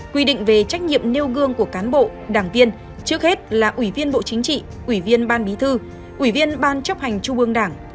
quy định về trách nhiệm nêu gương của cán bộ đảng viên trước hết là ủy viên bộ chính trị ủy viên ban bí thư ủy viên ban chấp hành trung ương đảng